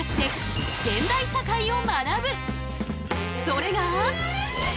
それが。